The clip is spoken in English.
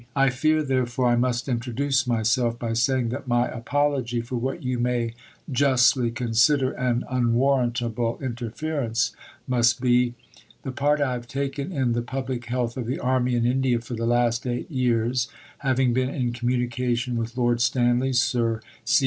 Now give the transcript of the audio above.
I fear, therefore, I must introduce myself, by saying that my apology for what you may (justly) consider an unwarrantable interference must be the part I have taken in the Public Health of the Army in India for the last 8 years, having been in communication with Lord Stanley, Sir C.